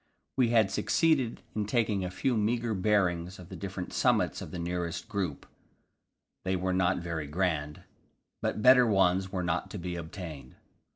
We had succeeded in taking a few meagre bearings of the different summits of the nearest group; they were not very grand, but better ones were not to be obtained.